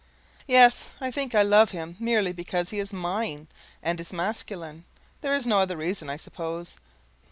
Yes, I think I love him merely because he is MINE and is MASCULINE. There is no other reason, I suppose.